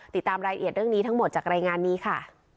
ติดตามรายละเอียดเรื่องนี้ทั้งหมดจากรายงานนี้ค่ะ